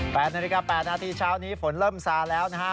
๘นาฬิกา๘นาทีเช้านี้ฝนเริ่มซาแล้วนะฮะ